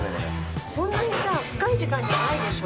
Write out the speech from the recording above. そんなにさ深い時間じゃないでしょ。